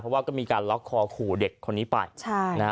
เพราะว่าก็มีการล็อกคอขู่เด็กคนนี้ไปใช่นะฮะ